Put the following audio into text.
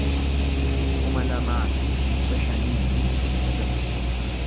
kuma lamaa fi dhibba shanii fi kudha sagal